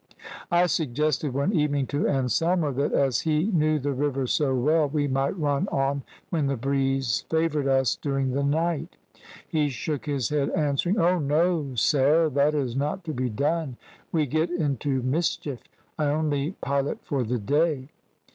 "I suggested one evening to Anselmo, that as he knew the river so well we might run on when the breeze favoured us during the night: he shook his head, answering, `Oh no, sare, that is not to be done; we get into mischief; I only pilot for the day.'